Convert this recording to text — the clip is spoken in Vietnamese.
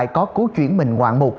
lại có cố chuyển mình ngoạn một